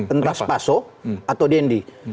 entah spaso atau dendy